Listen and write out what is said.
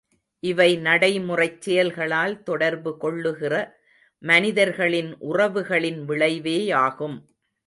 இவை நடைமுறைச் செயல்களால் தொடர்புகொள்ளுகிற மனிதர்களின் உறவுகளின் விளைவேயாகும்.